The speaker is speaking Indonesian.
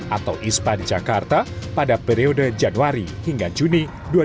atau ispa di jakarta pada periode januari hingga juni dua ribu dua puluh